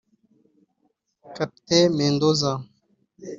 Kate Mendoza